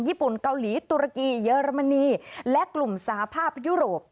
ญี่ปุ่นเกาหลีตุรกีเยอรมนีและกลุ่มสาภาพยุโรป